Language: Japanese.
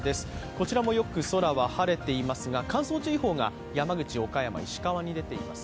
こちらもよく空は晴れていますが乾燥注意報が山口、岡山、石川に出ています。